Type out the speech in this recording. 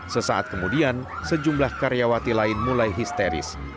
sesaat kemudian sejumlah karyawati lain mulai histeris